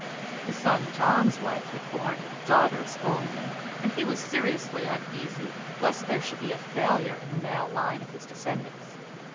His son John's wife had borne daughters only, and he was seriously uneasy lest there should be a failure in the male line of his descendants.